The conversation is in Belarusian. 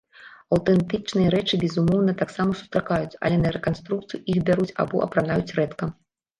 Аўтэнтычныя рэчы, безумоўна, таксама сустракаюцца, але на рэканструкцыю іх бяруць або апранаюць рэдка.